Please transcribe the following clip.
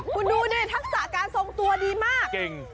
คุณดูดิทักษะการทรงตัวดีมากเก่ง